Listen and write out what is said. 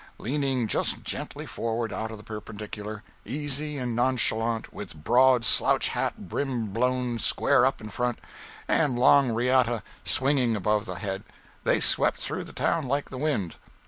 Leaning just gently forward out of the perpendicular, easy and nonchalant, with broad slouch hat brim blown square up in front, and long riata swinging above the head as they swept through the town like the wind!